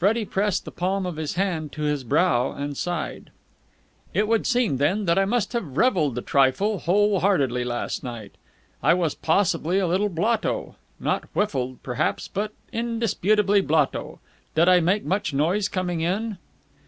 Freddie pressed the palm of his hand to his brow, and sighed. "It would seem, then, that I must have revelled a trifle whole heartedly last night. I was possibly a little blotto. Not whiffled, perhaps, but indisputably blotto. Did I make much noise coming in?"